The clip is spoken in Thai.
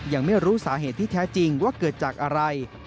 ยังไม่รู้สาเหตุที่แท้จริงว่าเกิดจากอะไร